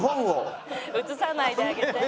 映さないであげて。